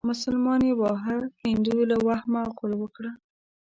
مسلمان يې واهه هندو له وهمه غول وکړه.